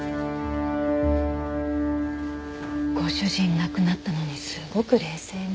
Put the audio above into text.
ご主人亡くなったのにすごく冷静ね。